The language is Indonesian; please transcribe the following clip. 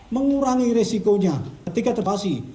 mengurangi resikonya ketika terpaksa